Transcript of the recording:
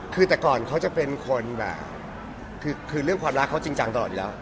คือแต่ก่อนเขาจะเป็นคนแบบคือเรื่องความรักเขาจริงจังตลอดอยู่แล้ว